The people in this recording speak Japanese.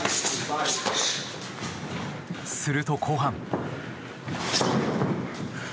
すると後半。